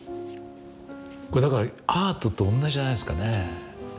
これだからアートと同じじゃないですかね。